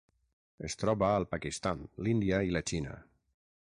Es troba al Pakistan, l'Índia i la Xina.